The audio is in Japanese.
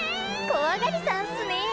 怖がりさんっすねえ。